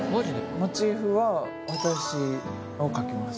モチーフは私を描きます。